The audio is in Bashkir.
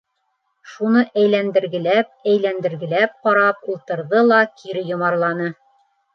Шуны әйләндергеләп-әйләндергеләп ҡарап ултырҙы ла кире йомарланы.